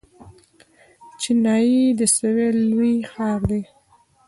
چنای د سویل لوی ښار دی.